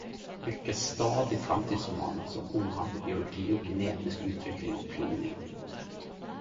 Eg likar stadig framtidsromanar som omhandlar biologi og genetisk utvikling og kloning.